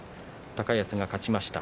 高安が勝ちました。